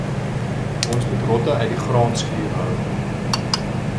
Ons moet rotte uit die graanskuur hou.